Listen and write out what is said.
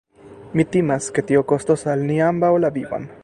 Mi timas, ke tio kostos al ni ambaŭ la vivon.